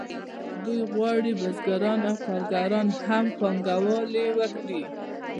دوی غواړي بزګران او کارګران هم پانګوالي وکړي